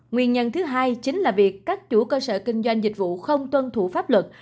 nguyên nhân thứ hai chính là việc các chủ cơ sở kinh doanh dịch vụ không tuân thủ pháp luật